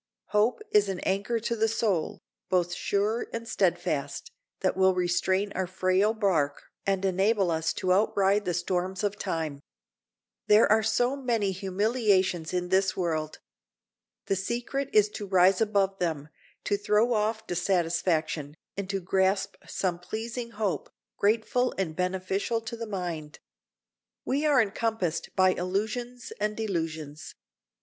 Hope is an anchor to the soul, both sure and steadfast, that will restrain our frail bark and enable us to outride the storms of time. There are so many humiliations in this world! The secret is to rise above them, to throw off dissatisfaction, and to grasp some pleasing hope, grateful and beneficial to the mind. We are encompassed by illusions and delusions.